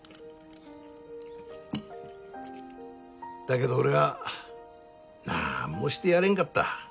だけど俺はなんもしてやれんかった。